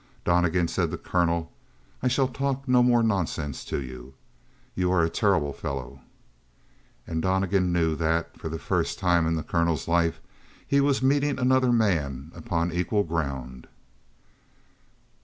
"Donnegan," said the colonel, "I shall talk no more nonsense to you. You are a terrible fellow!" And Donnegan knew that, for the first time in the colonel's life, he was meeting another man upon equal ground.